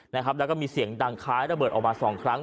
แล้วก็มีเสียงดังคล้ายระเบิดออกมาสองครั้ง